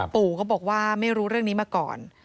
ปู่ก็บอกว่าไม่รู้เรื่องนี้มาก่อน